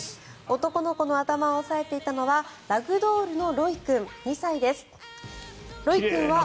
男の子の頭を押さえていたのはラグドールのロイ君、２歳です。